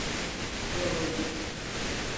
Yoruldu…